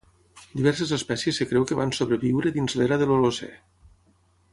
Diverses espècies es creu que van sobreviure dins l'era de l'Holocè.